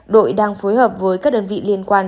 đội đang phối hợp với các đơn vị liên quan